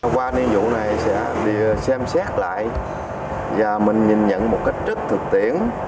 qua niên vụ này sẽ đi xem xét lại và mình nhìn nhận một cách rất thực tiễn